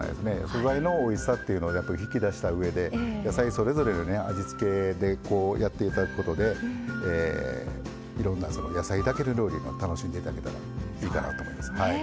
素材のおいしさっていうのを引き出したうえで野菜それぞれの味付けでやって頂くことでいろんな野菜だけの料理を楽しんで頂けたらいいかなと思います。